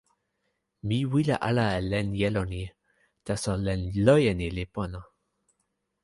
mi wile ala e len jelo ni, taso len loje ni li pona.